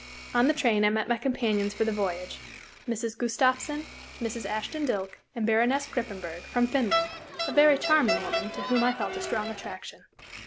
On the train I met my companions for the voyage, Mrs. Gustafsen, Mrs. Ashton Dilke, and Baroness Gripenberg, from Finland, a very charming woman, to whom I felt a strong attraction.